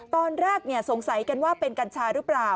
ตอนแรกสงสัยกันว่าเป็นกัญชาหรือเปล่า